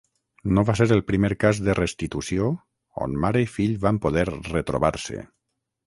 No va ser el primer cas de restitució on mare i fill van poder retrobar-se.